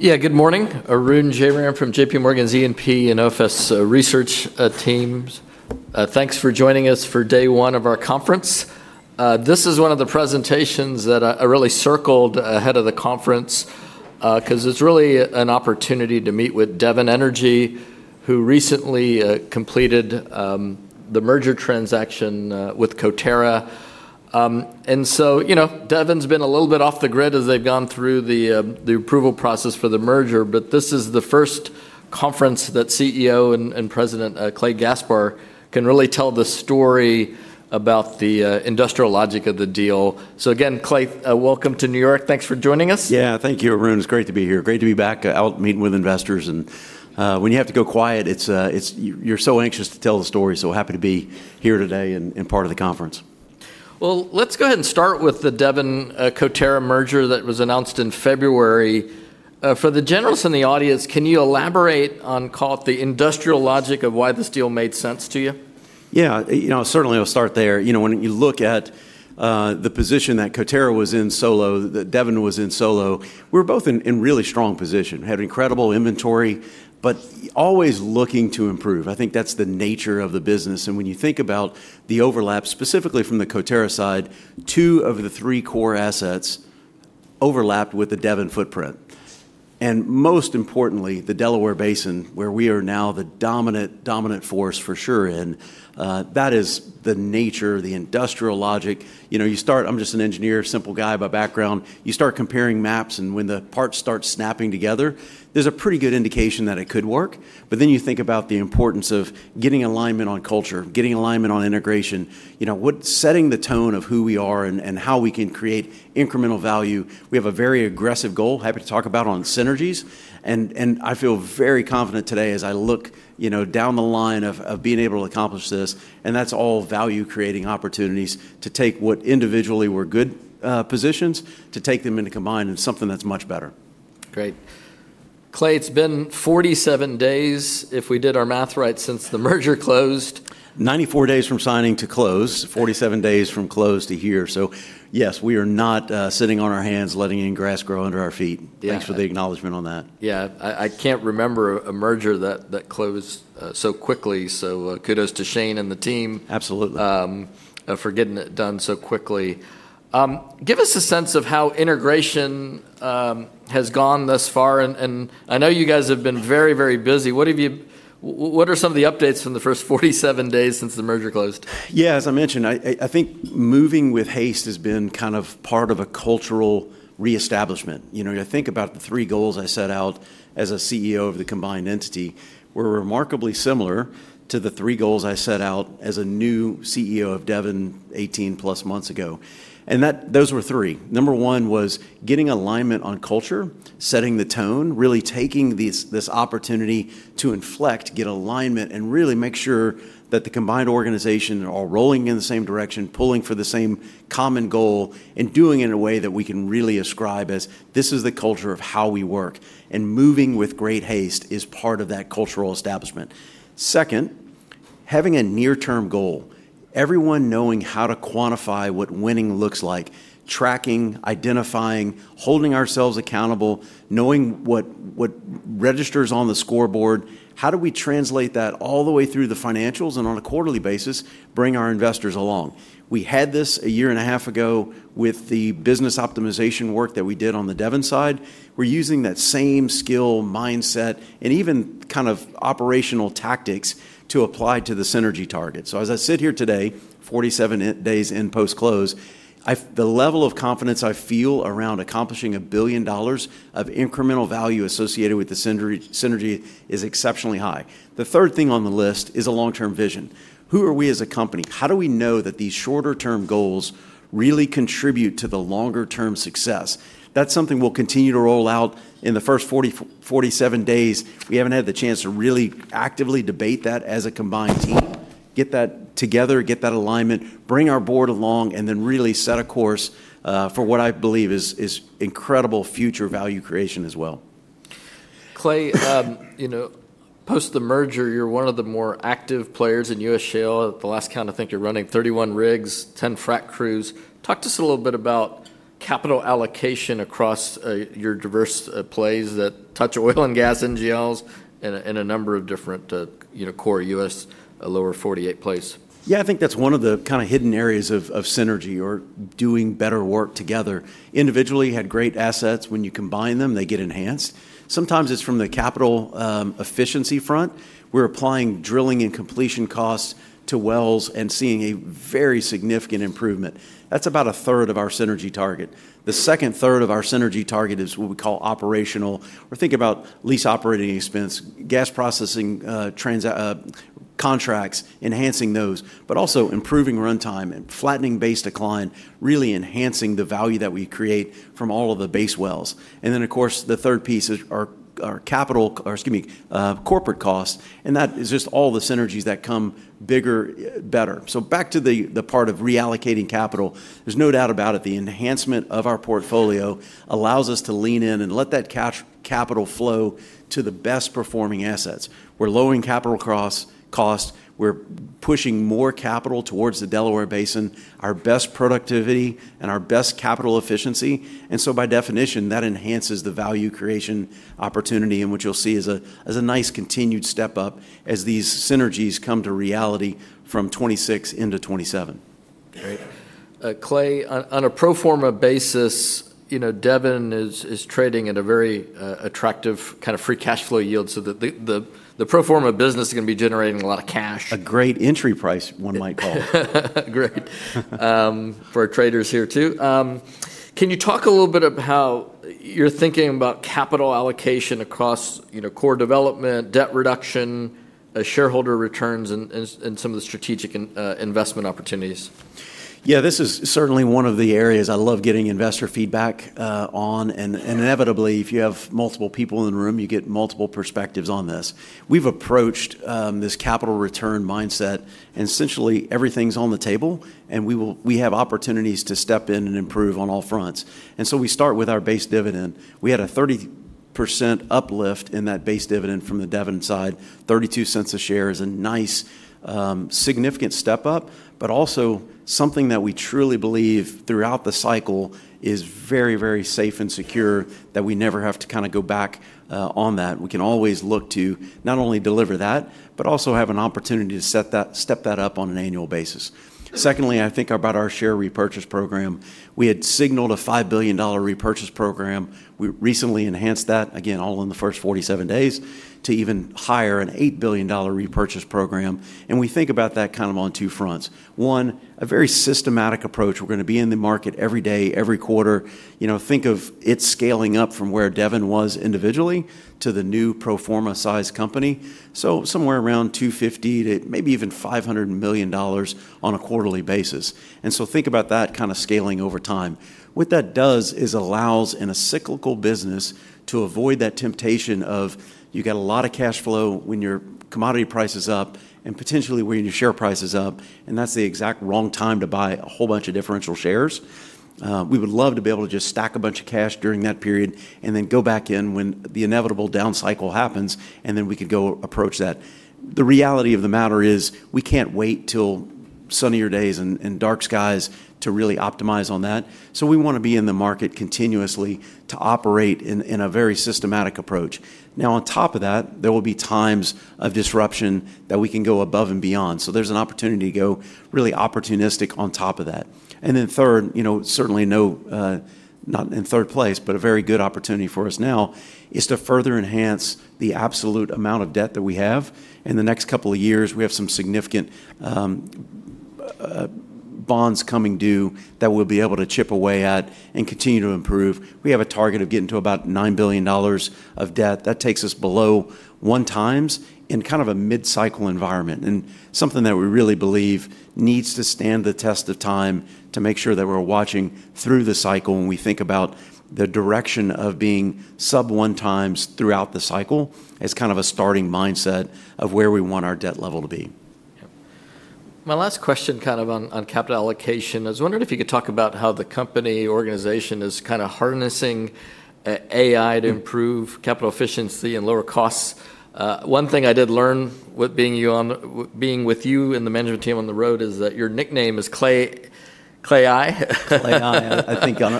Good morning. Arun Jayaram from JPMorgan's E&P and OFS research teams. Thanks for joining us for day one of our conference. This is one of the presentations that I really circled ahead of the conference, because it's really an opportunity to meet with Devon Energy, who recently completed the merger transaction with Coterra. Devon's been a little bit off the grid as they've gone through the approval process for the merger, but this is the first conference that CEO and President, Clay Gaspar, can really tell the story about the industrial logic of the deal. Clay, welcome to New York. Thanks for joining us. Thank you, Arun. It's great to be here. Great to be back out meeting with investors. When you have to go quiet, you're so anxious to tell the story, so happy to be here today and part of the conference. Well, let's go ahead and start with the Devon-Coterra merger that was announced in February. For the generals in the audience, can you elaborate on, call it, the industrial logic of why this deal made sense to you? Certainly, I'll start there. When you look at the position that Coterra was in solo, that Devon was in solo, we were both in a really strong position. Had incredible inventory, but always looking to improve. I think that's the nature of the business. When you think about the overlap, specifically from the Coterra side, two of the three core assets overlapped with the Devon footprint. Most importantly, the Delaware Basin, where we are now the dominant force for sure in. That is the nature, the industrial logic. I'm just an engineer, simple guy by background. You start comparing maps, and when the parts start snapping together, there's a pretty good indication that it could work. You think about the importance of getting alignment on culture, getting alignment on integration. Setting the tone of who we are and how we can create incremental value. We have a very aggressive goal, happy to talk about it, on synergies. I feel very confident today as I look down the line of being able to accomplish this. That's all value-creating opportunities to take what individually were good positions, to take them and to combine into something that's much better. Great. Clay, it's been 47 days, if we did our math right, since the merger closed. 94 days from signing to close, 47 days from close to here. Yes, we are not sitting on our hands letting any grass grow under our feet. Thanks for the acknowledgement on that. I can't remember a merger that closed so quickly. Kudos to Shane and the team. Absolutely. For getting it done so quickly. Give us a sense of how integration has gone thus far. I know you guys have been very busy. What are some of the updates from the first 47 days since the merger closed? Yeah. As I mentioned, I think moving with haste has been kind of part of a cultural reestablishment. You think about the three goals I set out as a CEO of the combined entity, were remarkably similar to the three goals I set out as a new CEO of Devon 18 plus months ago. Those were three. Number one was getting alignment on culture, setting the tone, really taking this opportunity to inflect, get alignment, and really make sure that the combined organization are all rolling in the same direction, pulling for the same common goal, and doing it in a way that we can really ascribe as, this is the culture of how we work. Moving with great haste is part of that cultural establishment. Second, having a near-term goal. Everyone knowing how to quantify what winning looks like. Tracking, identifying, holding ourselves accountable, knowing what registers on the scoreboard. How do we translate that all the way through the financials, and on a quarterly basis, bring our investors along? We had this a year and a half ago with the business optimization work that we did on the Devon side. We're using that same skill, mindset, and even kind of operational tactics to apply to the synergy target. As I sit here today, 47 days in post-close, the level of confidence I feel around accomplishing a $1 billion of incremental value associated with the synergy is exceptionally high. The third thing on the list is a long-term vision. Who are we as a company? How do we know that these shorter-term goals really contribute to the longer-term success? That's something we'll continue to roll out. In the first 47 days, we haven't had the chance to really actively debate that as a combined team. Get that together, get that alignment, bring our board along, and then really set a course for what I believe is incredible future value creation as well. Clay, post the merger, you're one of the more active players in U.S. shale. At the last count, I think you're running 31 rigs, 10 frack crews. Talk to us a little bit about capital allocation across your diverse plays that touch oil and gas NGLs in a number of different core U.S. lower 48 plays. Yeah. I think that's one of the kind of hidden areas of synergy, or doing better work together. Individually, had great assets. When you combine them, they get enhanced. Sometimes it's from the capital efficiency front. We're applying drilling and completion costs to wells and seeing a very significant improvement. That's about a third of our synergy target. The second third of our synergy target is what we call operational. We're thinking about lease operating expense, gas processing contracts, enhancing those. Also improving runtime and flattening base decline, really enhancing the value that we create from all of the base wells. Then, of course, the third piece is our corporate costs, and that is just all the synergies that come bigger, better. Back to the part of reallocating capital. There's no doubt about it, the enhancement of our portfolio allows us to lean in and let that capital flow to the best performing assets. We're lowering capital costs, we're pushing more capital towards the Delaware basin, our best productivity, and our best capital efficiency. By definition, that enhances the value creation opportunity in which you'll see as a nice continued step-up as these synergies come to reality from 2026 into 2027. Great. Clay, on a pro forma basis, Devon is trading at a very attractive kind of free cash flow yield. The pro forma business is going to be generating a lot of cash. A great entry price, one might call. Great. For our traders here too. Can you talk a little bit about how you're thinking about capital allocation across core development, debt reduction, shareholder returns, and some of the strategic investment opportunities? Yeah. This is certainly one of the areas I love getting investor feedback on. Inevitably, if you have multiple people in the room, you get multiple perspectives on this. We've approached this capital return mindset. Essentially everything's on the table, and we have opportunities to step in and improve on all fronts. We start with our base dividend. We had a 30% uplift in that base dividend from the Devon side, $0.32 a share is a nice significant step up, but also something that we truly believe throughout the cycle is very safe and secure that we never have to kind of go back on that. We can always look to not only deliver that, but also have an opportunity to step that up on an annual basis. Secondly, I think about our share repurchase program. We had signaled a $5 billion repurchase program. We recently enhanced that, again, all in the first 47 days, to even higher, an $8 billion repurchase program. We think about that kind of on two fronts. One, a very systematic approach. We're going to be in the market every day, every quarter. Think of it scaling up from where Devon was individually to the new pro forma size company. Somewhere around $250 million to maybe even $500 million on a quarterly basis. Think about that kind of scaling over time. What that does is allows, in a cyclical business, to avoid that temptation of you got a lot of cash flow when your commodity price is up and potentially when your share price is up, and that's the exact wrong time to buy a whole bunch of differential shares. We would love to be able to just stack a bunch of cash during that period and then go back in when the inevitable down cycle happens, and then we could go approach that. The reality of the matter is, we can't wait till sunnier days and dark skies to really optimize on that. We want to be in the market continuously to operate in a very systematic approach. Now, on top of that, there will be times of disruption that we can go above and beyond. There's an opportunity to go really opportunistic on top of that. Third, certainly not in third place, but a very good opportunity for us now is to further enhance the absolute amount of debt that we have. In the next couple of years, we have some significant bonds coming due that we'll be able to chip away at and continue to improve. We have a target of getting to about $9 billion of debt. That takes us below one times in kind of a mid-cycle environment and something that we really believe needs to stand the test of time to make sure that we're watching through the cycle when we think about the direction of being sub one times throughout the cycle as kind of a starting mindset of where we want our debt level to be. Yep. My last question kind of on capital allocation. I was wondering if you could talk about how the company organization is kind of harnessing AI to improve capital efficiency and lower costs. One thing I did learn being with you and the management team on the road is that your nickname is Clay AI. Clay AI.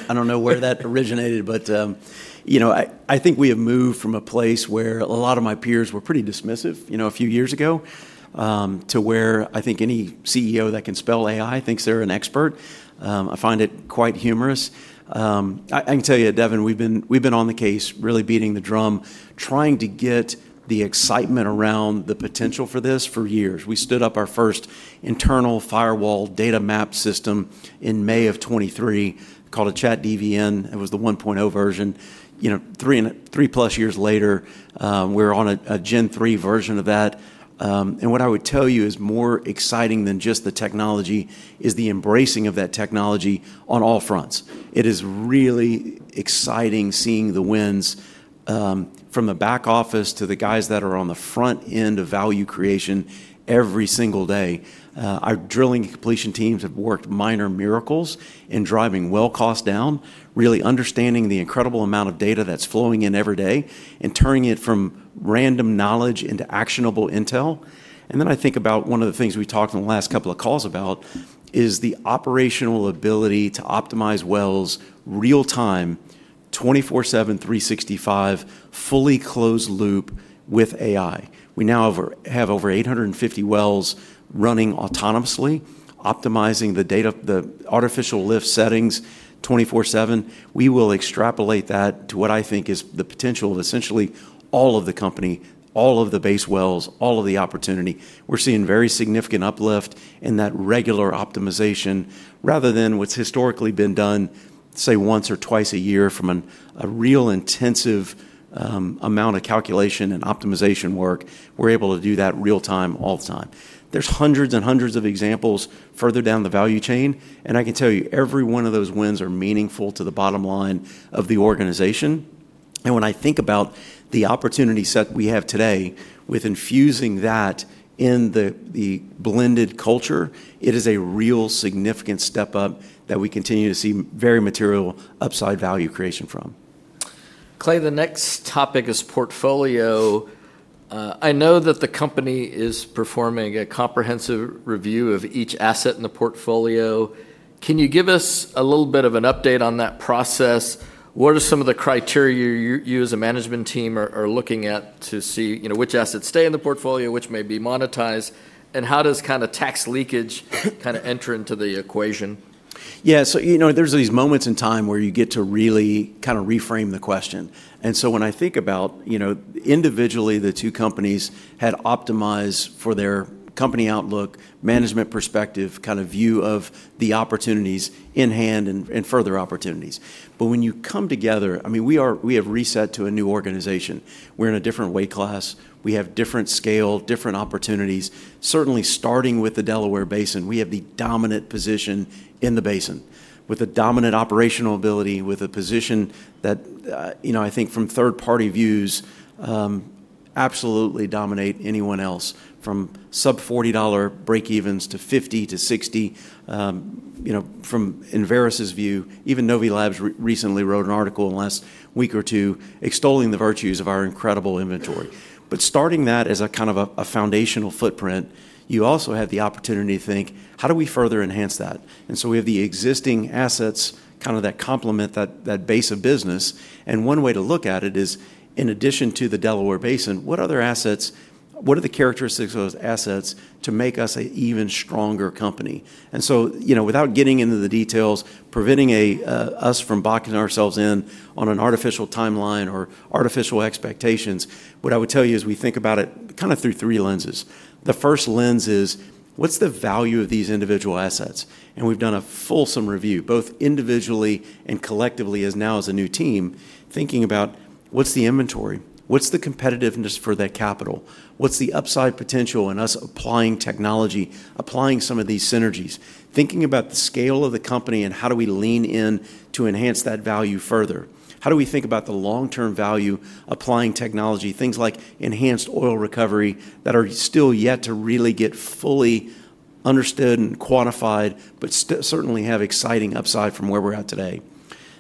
I don't know where that originated, but I think we have moved from a place where a lot of my peers were pretty dismissive a few years ago, to where I think any CEO that can spell AI thinks they're an expert. I find it quite humorous. I can tell you, Devon, we've been on the case, really beating the drum, trying to get the excitement around the potential for this for years. We stood up our first internal firewall data map system in May of 2023 called a ChatDVN. It was the 1.0 version. Three-plus years later, we're on a Gen 3 version of that. What I would tell you is more exciting than just the technology is the embracing of that technology on all fronts. It is really exciting seeing the wins from the back office to the guys that are on the front end of value creation every single day. Our drilling and completion teams have worked minor miracles in driving well cost down, really understanding the incredible amount of data that's flowing in every day, and turning it from random knowledge into actionable intel. Then I think about one of the things we talked on the last couple of calls about is the operational ability to optimize wells real time, 24/7, 365, fully closed loop with AI. We now have over 850 wells running autonomously, optimizing the artificial lift settings 24/7. We will extrapolate that to what I think is the potential of essentially all of the company, all of the base wells, all of the opportunity. We're seeing very significant uplift in that regular optimization rather than what's historically been done, say, once or twice a year from a real intensive amount of calculation and optimization work. We're able to do that real-time, all the time. There's hundreds and hundreds of examples further down the value chain. I can tell you every one of those wins are meaningful to the bottom line of the organization. When I think about the opportunity set we have today with infusing that in the blended culture, it is a real significant step up that we continue to see very material upside value creation from. Clay, the next topic is portfolio. I know that the company is performing a comprehensive review of each asset in the portfolio. Can you give us a little bit of an update on that process? What are some of the criteria you as a management team are looking at to see which assets stay in the portfolio, which may be monetized, and how does kind of tax leakage kind of enter into the equation? Yeah. There's these moments in time where you get to really kind of reframe the question. When I think about, individually, the two companies had optimized for their company outlook, management perspective kind of view of the opportunities in hand and further opportunities. When you come together, we have reset to a new organization. We're in a different weight class. We have different scale, different opportunities. Certainly starting with the Delaware Basin, we have the dominant position in the basin with a dominant operational ability, with a position that I think from third-party views, absolutely dominate anyone else from sub-$40 break evens to $50 to $60. From Enverus' view, even Novi Labs recently wrote an article in the last week or two extolling the virtues of our incredible inventory. Starting that as a kind of a foundational footprint, you also have the opportunity to think, how do we further enhance that? We have the existing assets, kind of that complement that base of business. One way to look at it is, in addition to the Delaware Basin, what are the characteristics of those assets to make us an even stronger company? Without getting into the details, preventing us from boxing ourselves in on an artificial timeline or artificial expectations, what I would tell you is we think about it kind of through three lenses. The first lens is, what's the value of these individual assets? We've done a fulsome review, both individually and collectively now as a new team, thinking about what's the inventory, what's the competitiveness for that capital, what's the upside potential in us applying technology, applying some of these synergies. Thinking about the scale of the company and how do we lean in to enhance that value further. How do we think about the long-term value applying technology, things like enhanced oil recovery, that are still yet to really get fully understood and quantified, but certainly have exciting upside from where we're at today.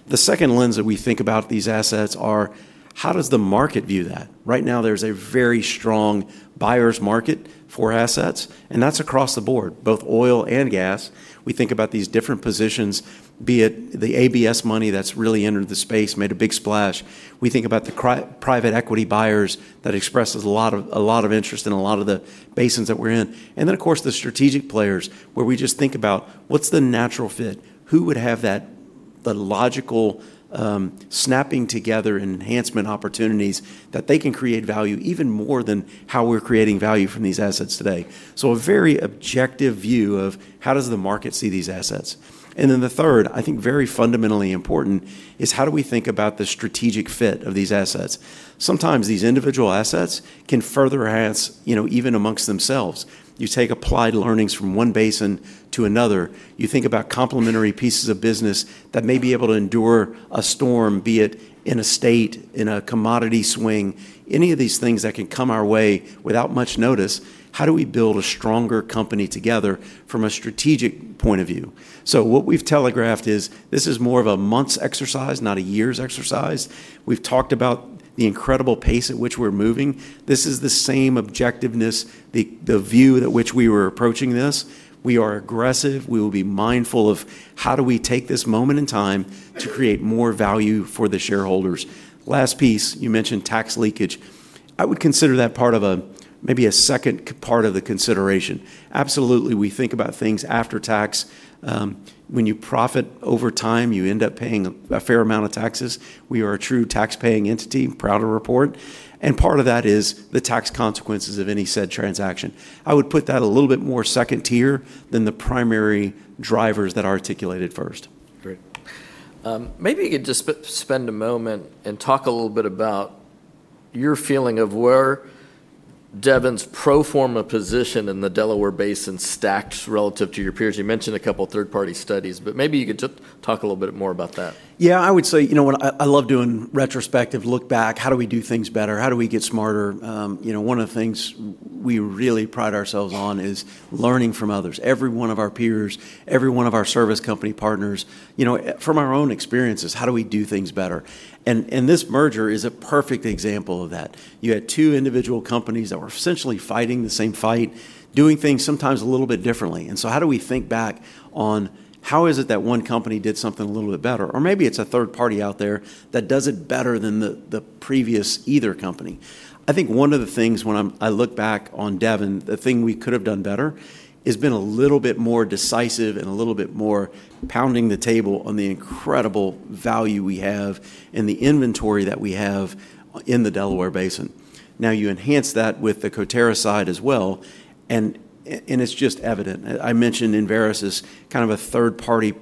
The second lens that we think about these assets are, how does the market view that? Right now, there's a very strong buyer's market for assets, and that's across the board, both oil and gas. We think about these different positions, be it the ABS money that's really entered the space, made a big splash. We think about the private equity buyers that expresses a lot of interest in a lot of the basins that we're in. Of course, the strategic players, where we just think about what's the natural fit. Who would have that logical snapping together and enhancement opportunities that they can create value even more than how we're creating value from these assets today. A very objective view of how does the market see these assets. The third, I think very fundamentally important, is how do we think about the strategic fit of these assets? Sometimes these individual assets can further enhance even amongst themselves. You take applied learnings from one basin to another. You think about complementary pieces of business that may be able to endure a storm, be it in a state, in a commodity swing, any of these things that can come our way without much notice. How do we build a stronger company together from a strategic point of view? What we've telegraphed is this is more of a months exercise, not a years exercise. We've talked about the incredible pace at which we're moving. This is the same objectiveness, the view at which we were approaching this. We are aggressive. We will be mindful of how do we take this moment in time to create more value for the shareholders. Last piece, you mentioned tax leakage. I would consider that maybe a second part of the consideration. Absolutely, we think about things after tax. When you profit over time, you end up paying a fair amount of taxes. We are a true tax-paying entity, proud to report. Part of that is the tax consequences of any said transaction. I would put that a little bit more 2nd tier than the primary drivers that I articulated first. Great. Maybe you could just spend a moment and talk a little bit about your feeling of where Devon's pro forma position in the Delaware Basin stacks relative to your peers. You mentioned a couple of third-party studies, but maybe you could just talk a little bit more about that. Yeah, I would say, I love doing retrospective look back. How do we do things better? How do we get smarter? One of the things we really pride ourselves on is learning from others. Every one of our peers, every one of our service company partners. From our own experiences, how do we do things better? This merger is a perfect example of that. You had two individual companies that were essentially fighting the same fight, doing things sometimes a little bit differently. How do we think back on how is it that one company did something a little bit better? Or maybe it's a third party out there that does it better than the previous either company. I think one of the things when I look back on Devon, the thing we could've done better is been a little bit more decisive and a little bit more pounding the table on the incredible value we have and the inventory that we have in the Delaware Basin. You enhance that with the Coterra side as well, it's just evident. I mentioned Enverus as kind of a third party,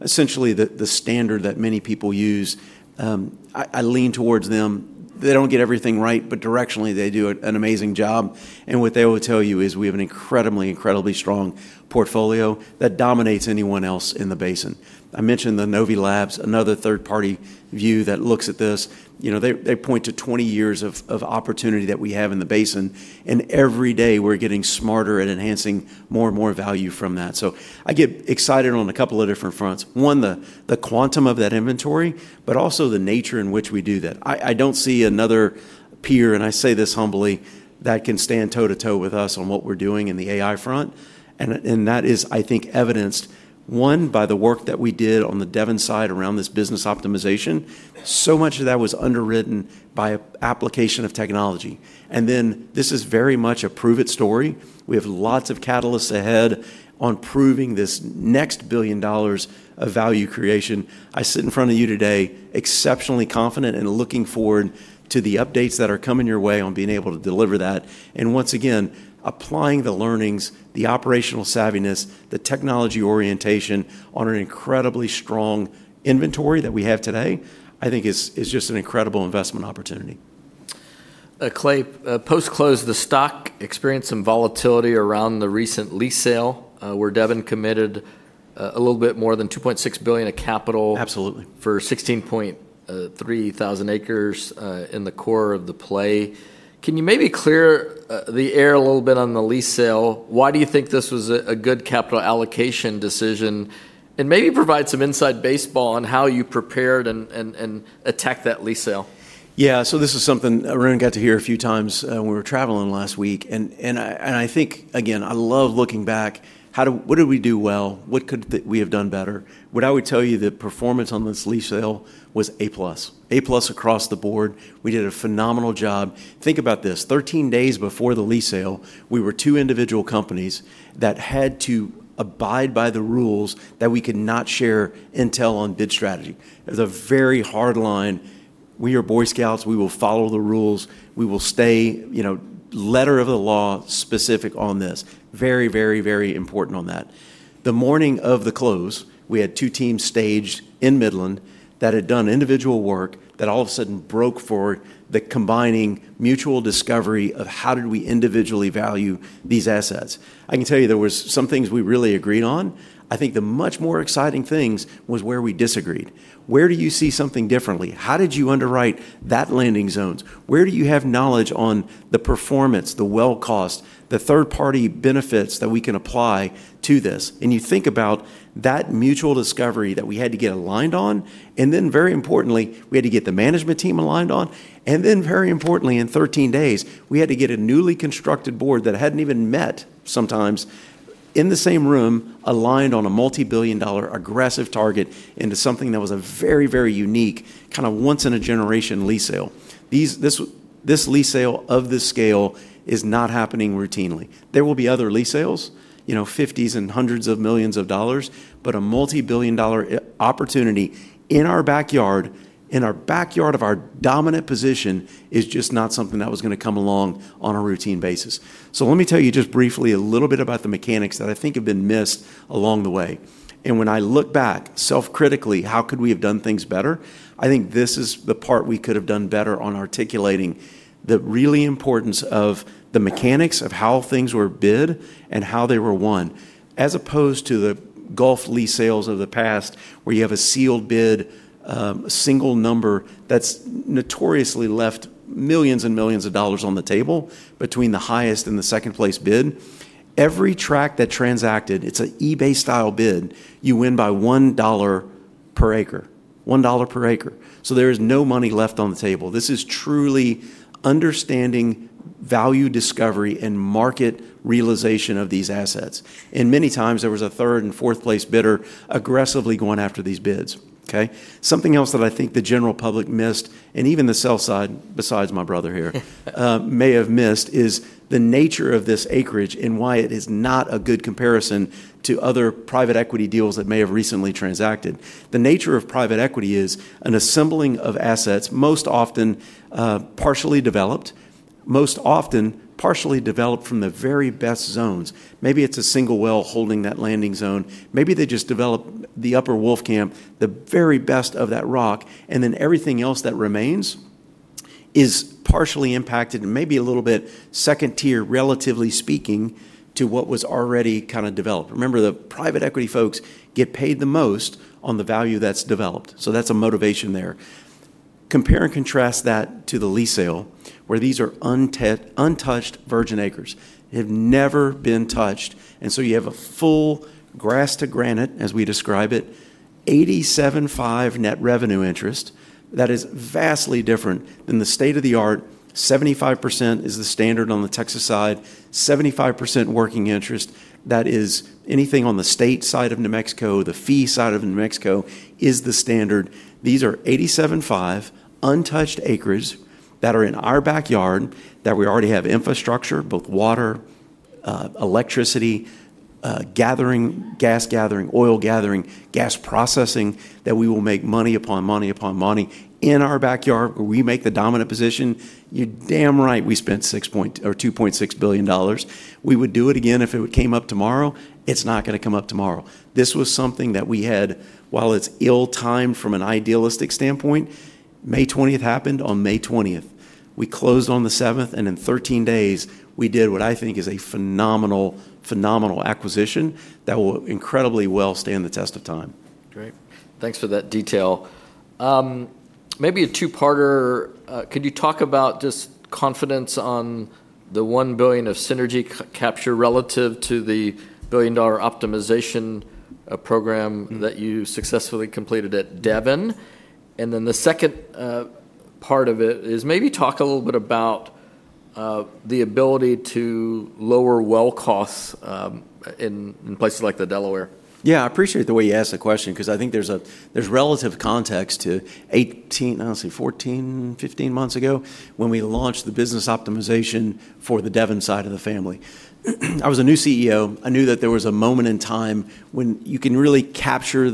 essentially the standard that many people use. I lean towards them. They don't get everything right, but directionally, they do an amazing job. What they will tell you is we have an incredibly strong portfolio that dominates anyone else in the basin. I mentioned the Novi Labs, another third-party view that looks at this. They point to 20 years of opportunity that we have in the basin. Every day, we're getting smarter and enhancing more and more value from that. I get excited on a couple of different fronts. One, the quantum of that inventory, but also the nature in which we do that. I don't see another peer, and I say this humbly, that can stand toe-to-toe with us on what we're doing in the AI front. That is, I think, evidenced, one, by the work that we did on the Devon side around this business optimization. Much of that was underwritten by application of technology. This is very much a prove-it story. We have lots of catalysts ahead on proving this next $1 billion of value creation. I sit in front of you today exceptionally confident and looking forward to the updates that are coming your way on being able to deliver that. Once again, applying the learnings, the operational savviness, the technology orientation on an incredibly strong inventory that we have today, I think is just an incredible investment opportunity. Clay, post-close, the stock experienced some volatility around the recent lease sale, where Devon committed a little bit more than $2.6 billion of capital for 16.3 thousand acres in the core of the play. Can you maybe clear the air a little bit on the lease sale? Why do you think this was a good capital allocation decision? Maybe provide some inside baseball on how you prepared and attacked that lease sale. Yeah. This is something everyone got to hear a few times when we were traveling last week. I think, again, I love looking back. What did we do well? What could we have done better? What I would tell you, the performance on this lease sale was A-plus. A-plus across the board. We did a phenomenal job. Think about this, 13 days before the lease sale, we were two individual companies that had to abide by the rules that we could not share intel on bid strategy. It was a very hard line. We are Boy Scouts. We will follow the rules. We will stay letter of the law specific on this. Very, very, very important on that. The morning of the close, we had two teams staged in Midland that had done individual work that all of a sudden broke for the combining mutual discovery of how did we individually value these assets. I can tell you there was some things we really agreed on. I think the much more exciting things was where we disagreed. Where do you see something differently? How did you underwrite that landing zones? Where do you have knowledge on the performance, the well cost, the third-party benefits that we can apply to this? You think about that mutual discovery that we had to get aligned on, then very importantly, we had to get the management team aligned on. Very importantly, in 13 days, we had to get a newly constructed board that hadn't even met, sometimes, in the same room, aligned on a $multi-billion aggressive target into something that was a very, very unique, kind of once in a generation lease sale. This lease sale of this scale is not happening routinely. There will be other lease sales, $50 million and hundreds of millions of dollars, but a $multi-billion opportunity in our backyard, in our backyard of our dominant position, is just not something that was going to come along on a routine basis. Let me tell you just briefly a little bit about the mechanics that I think have been missed along the way. When I look back self-critically, how could we have done things better, I think this is the part we could have done better on articulating the real importance of the mechanics of how things were bid and how they were won, as opposed to the Gulf lease sales of the past, where you have a sealed bid, a single number that's notoriously left millions and millions of dollars on the table between the highest and the second-place bid. Every tract that transacted, it's an eBay style bid. You win by $1 per acre. $1 per acre. There is no money left on the table. This is truly understanding value discovery and market realization of these assets. Many times, there was a third- and fourth-place bidder aggressively going after these bids. Okay? Something else that I think the general public missed, and even the sell side, besides my brother here, may have missed, is the nature of this acreage and why it is not a good comparison to other private equity deals that may have recently transacted. The nature of private equity is an assembling of assets, most often partially developed, most often partially developed from the very best zones. Maybe it's a single well holding that landing zone. Maybe they just develop the Upper Wolfcamp, the very best of that rock, and then everything else that remains is partially impacted and maybe a little bit second-tier, relatively speaking, to what was already kind of developed. Remember, the private equity folks get paid the most on the value that's developed. That's a motivation there. Compare and contrast that to the lease sale, where these are untouched virgin acres, have never been touched. You have a full grass to granite, as we describe it, 87.5% net revenue interest that is vastly different than the state-of-the-art, 75% is the standard on the Texas side, 75% working interest, that is anything on the state side of New Mexico, the fee side of New Mexico, is the standard. These are 87.5 untouched acres that are in our backyard that we already have infrastructure, both water, electricity, gas gathering, oil gathering, gas processing, that we will make money upon money upon money in our backyard where we make the dominant position. You're damn right we spent $2.6 billion. We would do it again if it came up tomorrow. It's not going to come up tomorrow. This was something that we had, while it's ill-timed from an idealistic standpoint, May 20th happened on May 20th. We closed on the 7th, in 13 days, we did what I think is a phenomenal acquisition that will incredibly well stand the test of time. Great. Thanks for that detail. Maybe a two-parter. Could you talk about just confidence on the $1 billion of synergy capture relative to the billion-dollar optimization program that you successfully completed at Devon? The second part of it is maybe talk a little bit about the ability to lower well costs in places like the Delaware. I appreciate the way you asked the question because I think there's relative context to 18, 14, 15 months ago, when we launched the business optimization for the Devon side of the family. I was a new CEO. I knew that there was a moment in time when you can really capture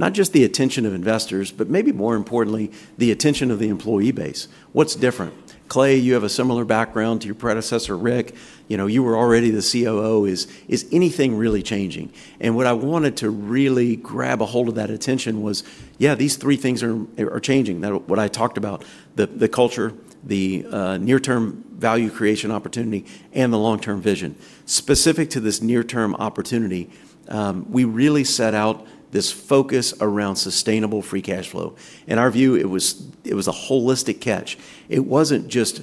not just the attention of investors, but maybe more importantly, the attention of the employee base. What's different? "Clay, you have a similar background to your predecessor, Rick. You were already the COO. Is anything really changing?" What I wanted to really grab ahold of that attention was, yeah, these three things are changing. What I talked about, the culture, the near-term value creation opportunity, and the long-term vision. Specific to this near-term opportunity, we really set out this focus around sustainable free cash flow. In our view, it was a holistic catch. It wasn't just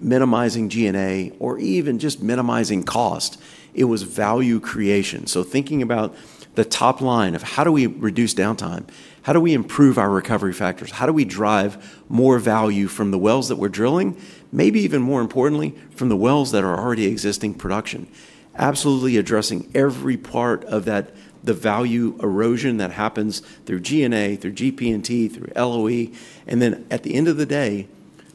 minimizing G&A, or even just minimizing cost. It was value creation. Thinking about the top line of how do we reduce downtime, how do we improve our recovery factors, how do we drive more value from the wells that we're drilling, maybe even more importantly, from the wells that are already existing production. Absolutely addressing every part of the value erosion that happens through G&A, through GP&T, through LOE. At the end of the day,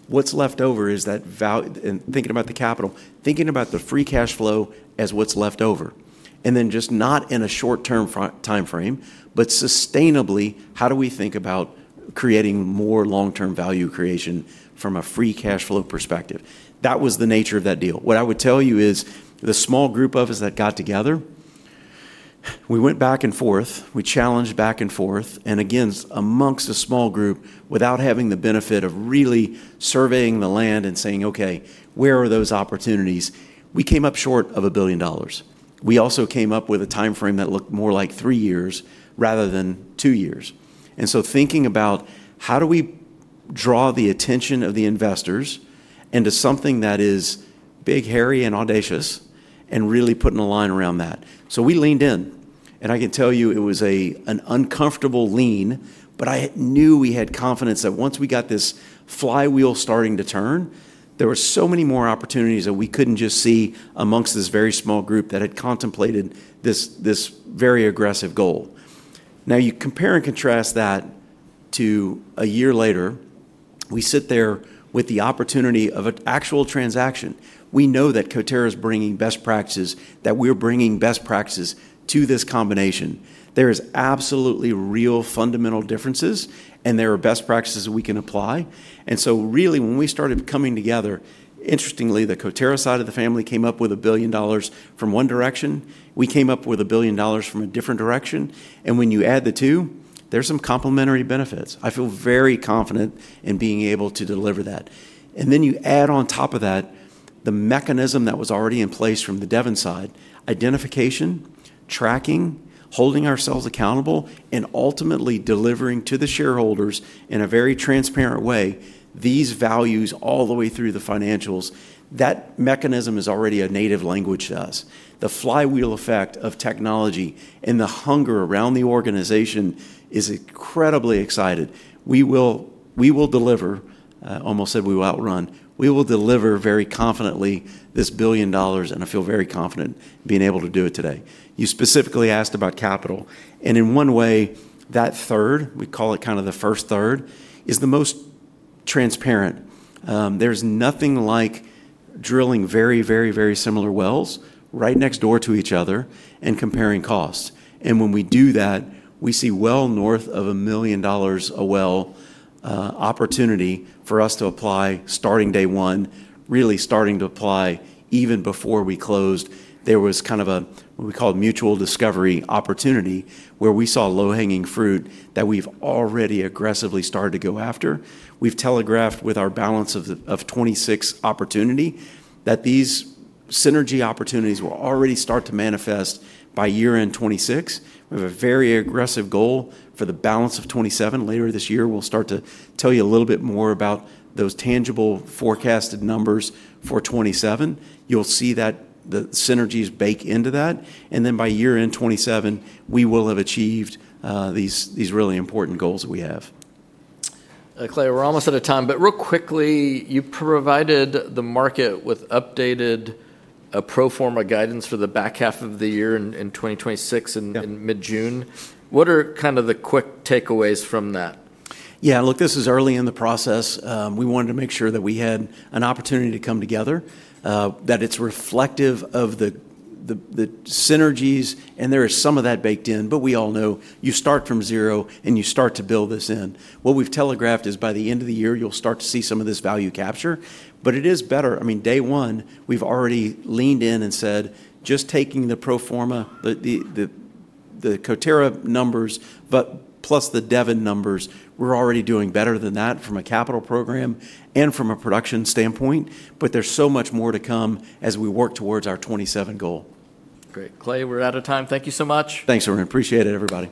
what's left over is that value, thinking about the capital, thinking about the free cash flow as what's left over. Just not in a short-term timeframe, but sustainably, how do we think about creating more long-term value creation from a free cash flow perspective? That was the nature of that deal. What I would tell you is the small group of us that got together, we went back and forth, we challenged back and forth, again, amongst a small group, without having the benefit of really surveying the land and saying, "Okay, where are those opportunities?" We came up short of $1 billion. We also came up with a timeframe that looked more like three years rather than two years. Thinking about how do we draw the attention of the investors into something that is big, hairy, and audacious, and really putting a line around that. We leaned in, and I can tell you it was an uncomfortable lean, but I knew we had confidence that once we got this flywheel starting to turn, there were so many more opportunities that we couldn't just see amongst this very small group that had contemplated this very aggressive goal. You compare and contrast that to a year later, we sit there with the opportunity of an actual transaction. We know that Coterra's bringing best practices, that we're bringing best practices to this combination. There is absolutely real fundamental differences, and there are best practices we can apply. Really, when we started coming together, interestingly, the Coterra side of the family came up with $1 billion from one direction. We came up with $1 billion from a different direction. When you add the two, there's some complementary benefits. I feel very confident in being able to deliver that. You add on top of that, the mechanism that was already in place from the Devon side, identification, tracking, holding ourselves accountable, and ultimately delivering to the shareholders in a very transparent way these values all the way through the financials. That mechanism is already a native language to us. The flywheel effect of technology and the hunger around the organization is incredibly exciting. We will deliver, I almost said we will outrun. We will deliver very confidently this $1 billion, and I feel very confident being able to do it today. You specifically asked about capital, and in one way, that third, we call it kind of the first third, is the most transparent. There's nothing like drilling very similar wells right next door to each other and comparing costs. When we do that, we see well north of a $1 million a well opportunity for us to apply starting day one, really starting to apply even before we closed. There was kind of what we call mutual discovery opportunity, where we saw low-hanging fruit that we've already aggressively started to go after. We've telegraphed with our balance of 2026 opportunity that these synergy opportunities will already start to manifest by year-end 2026. We have a very aggressive goal for the balance of 2027. Later this year, we'll start to tell you a little bit more about those tangible forecasted numbers for 2027. You'll see that the synergies bake into that. By year-end 2027, we will have achieved these really important goals that we have. Clay, we're almost out of time, real quickly, you provided the market with updated pro forma guidance for the back half of the year in 2026 in mid-June. What are kind of the quick takeaways from that? Look, this is early in the process. We wanted to make sure that we had an opportunity to come together, that it's reflective of the synergies, and there is some of that baked in. We all know you start from zero, and you start to build this in. What we've telegraphed is by the end of the year, you'll start to see some of this value capture. It is better. Day one, we've already leaned in and said, "Just taking the pro forma, the Coterra numbers, plus the Devon numbers, we're already doing better than that from a capital program and from a production standpoint." There's so much more to come as we work towards our 2027 goal. Great. Clay, we're out of time. Thank you so much. Thanks, Arun. Appreciate it, everybody.